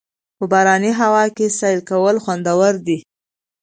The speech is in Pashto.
په باراني هوا کې سیل کول خوندور دي.